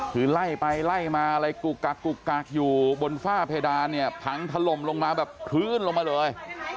คือไล่ไปไล่มาอะไรกุกกักกุกกักอยู่บนฝ้าเพดานเนี่ยพังถล่มลงมาแบบพื้นลงมาเลย